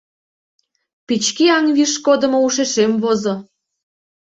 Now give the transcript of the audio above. Печке аҥ виш кодымо ушешем возо.